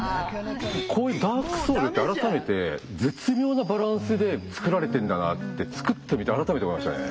こういう「ＤＡＲＫＳＯＵＬＳ」って改めて絶妙なバランスで作られてんだなって作ってみて改めて分かりましたね。